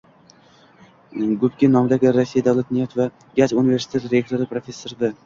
Gubkin nomidagi Rossiya davlat neft va gaz universiteti rektori, professor V